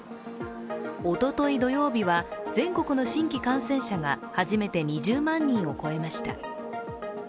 おととい土曜日は全国の新規感染者が初めて２０万人を超えました。